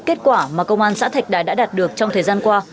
kết quả mà công an xã thạch đài đã đạt được trong thời gian qua